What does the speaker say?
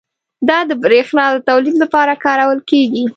دا د بریښنا د تولید لپاره کارول کېږي.